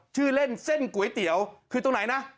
ชื่อเล่นเส้นก๋วยเตี๋ยวคือตรงไหนนะ